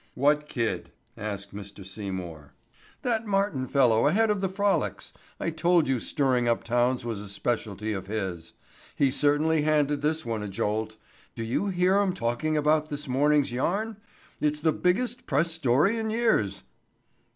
"What kid?" asked Mr. Seymour. "That Martin fellow ahead of the 'Frolics.' I told you stirring up towns was a specialty of his. He certainly handed this one a jolt. Do you hear 'em all talking about this morning's yarn? It's the biggest press story in years."